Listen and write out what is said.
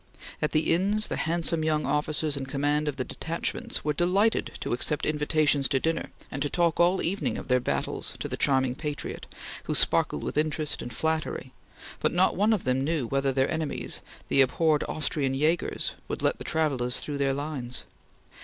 At the inns the handsome young officers in command of the detachments were delighted to accept invitations to dinner and to talk all the evening of their battles to the charming patriot who sparkled with interest and flattery, but not one of them knew whether their enemies, the abhorred Austrian Jagers, would let the travellers through their lines.